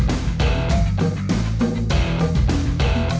adalah audrey dari jepang